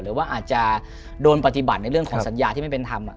หรือว่าอาจจะโดนปฏิบัติในเรื่องของสัญญาที่ไม่เป็นธรรม